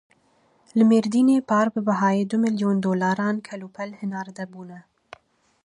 Li Mêrdînê par bi bihayê du milyon dolaran kelûpel hinarde bûne.